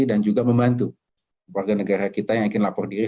dan juga membantu warganegara kita yang ingin lapor diri